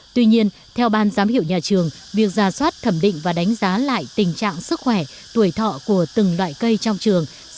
tuy nhiên theo ban giám hiệu nhà trường việc ra soát thẩm định và đánh giá lại tình trạng sức khỏe tuổi thọ của từng loại cây trong trường